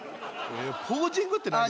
ポージングって何？